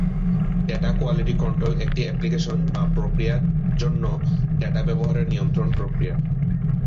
Data quality control একটি application বা প্রক্রিয়া জন্য ডেটা ব্যবহারের নিয়ন্ত্রণ প্রক্রিয়া।